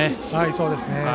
そうですね。